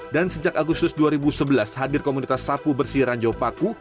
dan sejak agustus dua ribu sebelas hadir komunitas sapu bersih ranjau paku